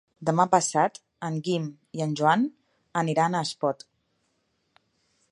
Demà passat en Guim i en Joan aniran a Espot.